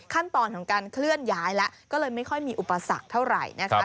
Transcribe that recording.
ขั้นตอนของการเคลื่อนย้ายแล้วก็เลยไม่ค่อยมีอุปสรรคเท่าไหร่นะคะ